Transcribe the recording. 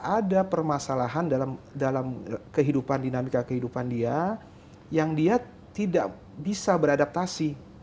ada permasalahan dalam kehidupan dinamika kehidupan dia yang dia tidak bisa beradaptasi